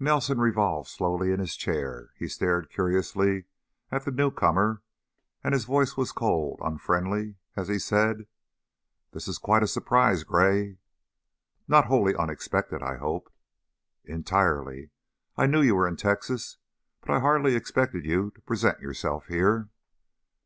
Nelson revolved slowly in his chair; he stared curiously at the newcomer, and his voice was cold, unfriendly, as he said: "This is quite a surprise, Gray." "Not wholly unexpected, I hope." "Entirely! I knew you were in Texas, but I hardly expected you to present yourself here."